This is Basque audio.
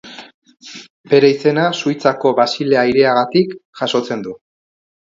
Bere izena Suitzako Basilea hiriagatik jasotzen du.